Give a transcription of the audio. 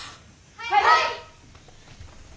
はい！